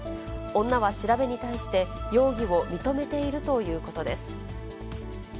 女は調べに対して、容疑を認めているということです。